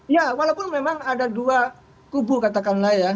ya walaupun memang ada dua kubu katakanlah ya